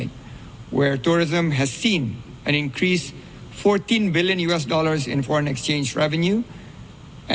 di mana pariwisata telah melihat peningkatan usd empat belas juta dalam pendapatan perubahan luar negara